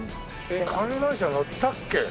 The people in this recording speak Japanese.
えっ観覧車乗ったっけ？